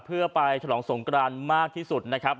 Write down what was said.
เพื่อไปฉลองสงกรานมากที่สุดนะครับ